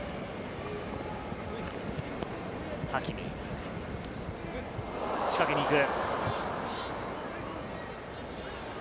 ハキミが仕掛けに行く。